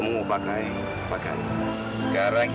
cuma kayak pembunuh